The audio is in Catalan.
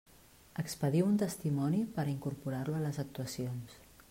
Expediu un testimoni per a incorporar-lo a les actuacions.